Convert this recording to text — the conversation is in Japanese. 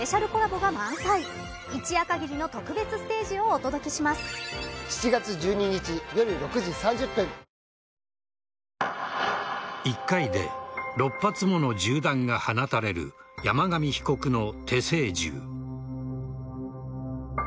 おいしい免疫ケア１回で６発もの銃弾が放たれる山上被告の手製銃。